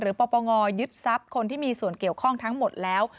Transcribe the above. ปปงยึดทรัพย์คนที่มีส่วนเกี่ยวข้องทั้งหมดแล้ว